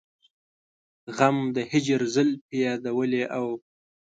غم د هجر زلفې يادولې او